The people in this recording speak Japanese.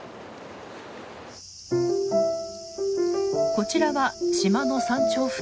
こちらは島の山頂付近。